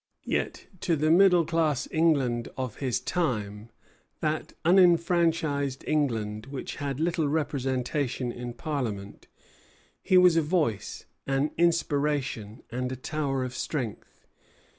Yet to the middle class England of his own time, that unenfranchised England which had little representation in Parliament, he was a voice, an inspiration, and a tower of strength.